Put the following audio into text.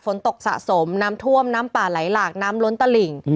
ฝนตกสะสมน้ำท่วมน้ำป่าไหลหลากน้ำล้นตะหลิ่ง